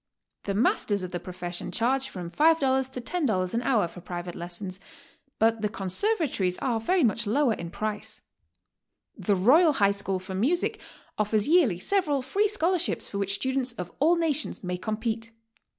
The mas'ters of the profession charge from $5 to $10 an hour for private lesisons, but the conservator^ies are very much lower in price. The Royal High School for Music offers yearly several free scholarships for which students of all nations may compete.